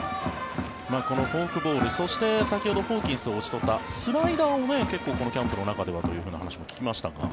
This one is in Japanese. このフォークボールそして、先ほどホーキンスを打ち取ったスライダーを結構、このキャンプの中ではという話も聞きましたが。